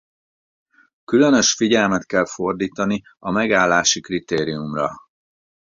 Különös figyelmet kell fordítani a megállási kritériumra.